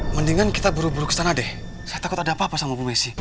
mendingan kita buru buru kesana deh saya takut ada apa apa sama bu messi